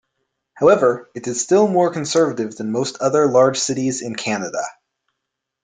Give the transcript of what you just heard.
However, it is still more conservative than most other large cities in Canada.